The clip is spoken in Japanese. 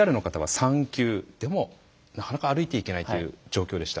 でもなかなか歩いていけないという状況でした。